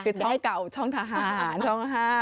คือช่องเก่าช่องทหารช่อง๕